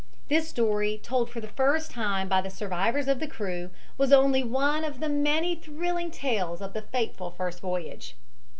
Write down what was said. This story, told for the first time by the survivors of the crew, was only one of the many thrilling tales of the fateful first voyage.